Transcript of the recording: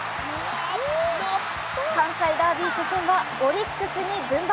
関西ダービー初戦はオリックスに軍配。